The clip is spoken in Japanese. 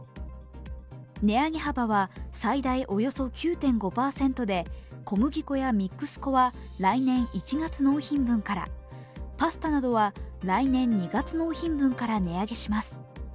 値上げ幅は最大およそ９．５％で小麦粉やミックス粉は来年１月納品分から、パスタなどは来年２月納品分から値上げします。